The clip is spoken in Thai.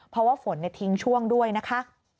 เพราะว่าฝนทิ้งช่วงด้วยนะคะ